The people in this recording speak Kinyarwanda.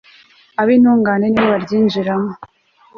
ab'intungane ni bo baryinjiramo